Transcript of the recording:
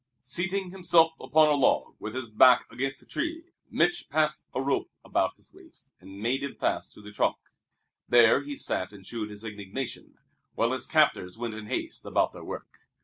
Seating himself upon a log, with his back against a tree, Mich' passed a rope about his waist and made him fast to the trunk. There he sat and chewed his indignation, while his captors went in haste about their work.